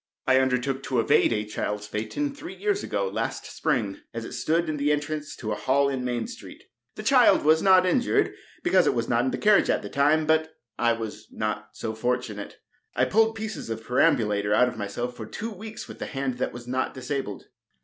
I undertook to evade a child's phaeton, three years ago last spring, as it stood in the entrance to a hall in Main street. The child was not injured, because it was not in the carriage at the time; but I was not so fortunate. I pulled pieces of perambulator out of myself for two weeks with the hand that was not disabled.